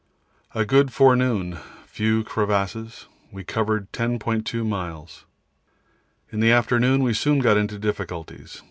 A good forenoon, few crevasses; we covered 10.2 miles. In the afternoon we soon got into difficulties.